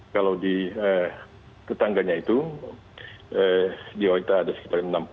kalau di tetangganya itu di wanita ada sekitar enam puluh